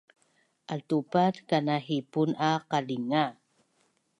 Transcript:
Altupat kanahipun a qalinga